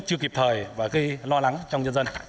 chưa kịp thời và gây lo lắng trong nhân dân